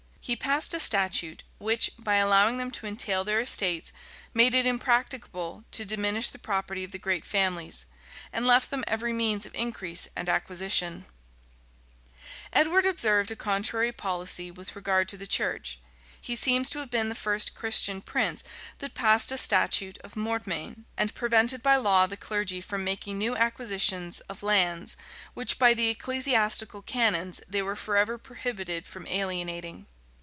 He passed a statute which, by allowing them to entail their estates, made it impracticable to diminish the property of the great families, and left them every means of increase and acquisition.[*] * Brady of Boroughs, p. 25, from the records Edward observed a contrary policy with regard to the church: he seems to have been the first Christian prince that passed a statute of mortmain; and prevented by law the clergy from making new acquisitions of lands, which by the ecclesiastical canons they were forever prohibited from alienating.